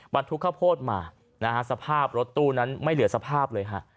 บรรทุกข้าวโพดมานะฮะสภาพรถตู้นั้นไม่เหลือสภาพเลยฮะ